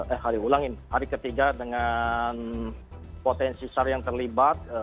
eh hari ulangin hari ketiga dengan potensi sar yang terlibat